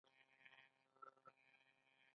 دين اخوان ته يو دکان دی، چی هر څه په کی خر څيږی